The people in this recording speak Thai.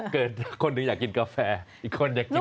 เกิดคนหนึ่งอยากกินกาแฟอีกคนอยากกิน